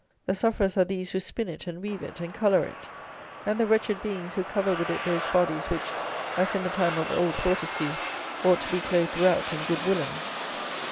The sufferers are these who spin it and weave it and colour it, and the wretched beings who cover with it those bodies which, as in the time of old Fortescue, ought to be "clothed throughout in good woollens."